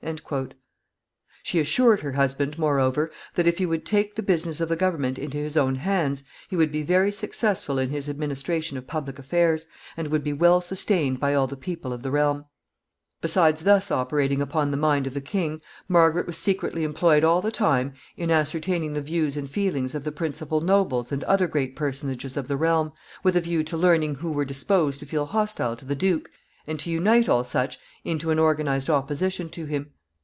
She assured her husband, moreover, that if he would take the business of the government into his own hands, he would be very successful in his administration of public affairs, and would be well sustained by all the people of the realm. [Sidenote: Margaret's secret designs.] Besides thus operating upon the mind of the king, Margaret was secretly employed all the time in ascertaining the views and feelings of the principal nobles and other great personages of the realm, with a view to learning who were disposed to feel hostile to the duke, and to unite all such into an organized opposition to him.